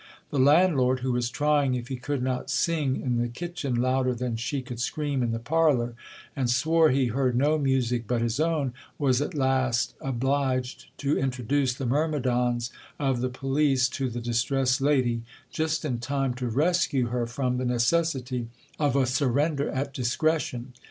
The landlord, who was trying if he could not sing in the kitchen louder than she could scream in the parlour, and swore he heard no music but his own, was at last obliged to introduce the myrmidons of the police to the distressed lady, just in time to rescue her from the necessity of a surrender at discretion.